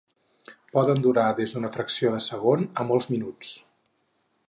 Poden durar des d'una fracció de segon a molts minuts.